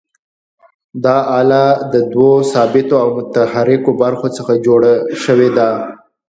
دا آله له دوو ثابتو او متحرکو برخو څخه جوړه شوې ده.